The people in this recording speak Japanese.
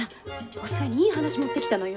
お寿恵にいい話持ってきたのよ。